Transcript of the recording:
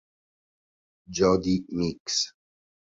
Jodie Meeks